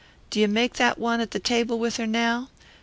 Do you make that one at the table with her now?